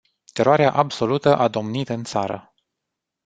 Teroarea absolută a domnit în țară.